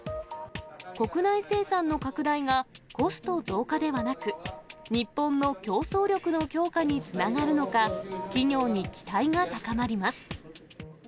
国内生産の拡大が、コスト増加ではなく、日本の競争力の強化につながるのか、企業に期待が高まります。